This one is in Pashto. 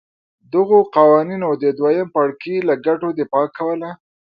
دغو قوانینو د دویم پاړکي له ګټو دفاع کوله.